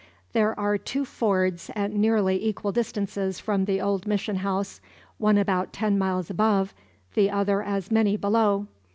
There are two fords at nearly equal distances from the old mission house, one about ten miles above, the other as many below.